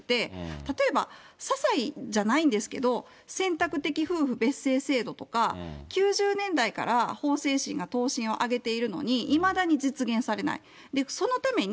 例えばささいじゃないんですけど、選択的夫婦別姓制度とか、９０年代から法制審がとうせいをあげているのに、いまだに実現されない。